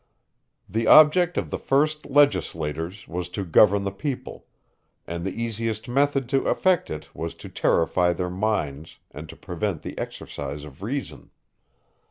The object of the first legislators was to govern the people; and the easiest method to effect it was to terrify their minds, and to prevent the exercise of reason.